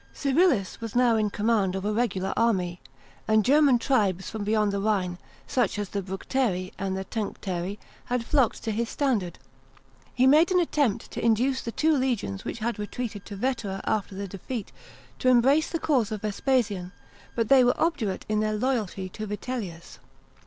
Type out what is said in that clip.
§ 4. Civilis was now in command of a regular army ; and German 69 A.D. BLOCKADE OF VETERA 355 tribes from beyond the Rhine, such as the Brncteri and the Tencteri, had flocked to his standard. He made an attempt to induce the two legions which had retreated to Vetera after tha defeat to embrace the cause of Vespasian, but they were obdurate in their loyalty to Vitellius.